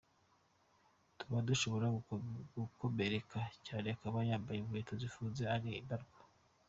Tuba dushobora gukomereka cyane ko ababa bambaye inkweto zifunze ari mbarwa.